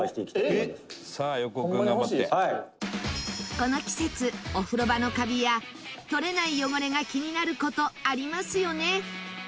この季節、お風呂場のカビや取れない汚れが気になる事ありますよね